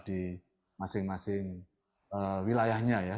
di masing masing wilayahnya ya